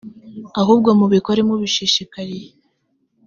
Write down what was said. ahubwo mubikore mubishishikariye.